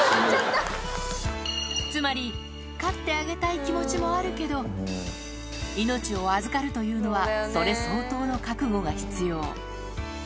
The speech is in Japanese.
つまり飼ってあげたい気持ちもあるけど、命を預かるというのは、それ相当の覚悟が必要。